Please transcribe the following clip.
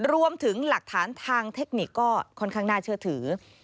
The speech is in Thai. รวมถึงหลักฐานทางเทคนิคก็ค่อนข้างน่าเชื่อถือ